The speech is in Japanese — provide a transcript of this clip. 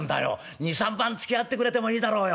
二三番つきあってくれてもいいだろうよ。